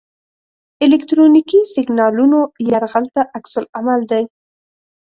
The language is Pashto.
الکترونیکي سیګنالونو یرغل ته عکس العمل دی.